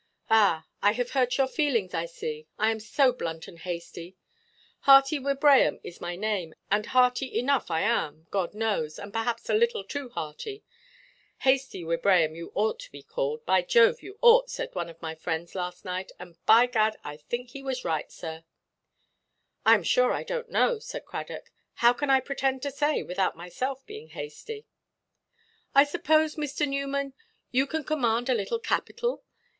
"Ah, I have hurt your feelings, I see. I am so blunt and hasty. Hearty Wibraham is my name; and hearty enough I am, God knows; and perhaps a little too hearty. 'Hasty Wibraham, you ought to be called, by Jove, you ought,' said one of my friends last night, and by Gad I think he was right, sir." "I am sure I donʼt know," said Cradock; "how can I pretend to say, without myself being hasty?" "I suppose, Mr. Newman, you can command a little capital?